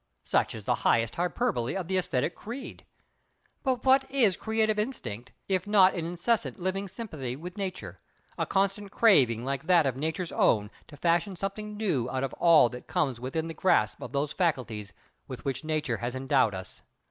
Such is the highest hyperbole of the aesthetic creed. But what is creative instinct, if not an incessant living sympathy with Nature, a constant craving like that of Nature's own, to fashion something new out of all that comes within the grasp of those faculties with which Nature has endowed us?